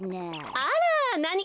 あらなにかしら。